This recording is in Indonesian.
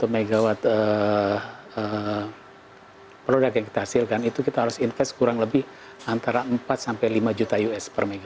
satu mw produk yang kita hasilkan itu kita harus invest kurang lebih antara empat sampai lima juta us per mega